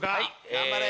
頑張れ！